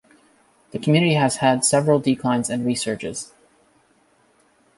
The community has had several declines and resurges.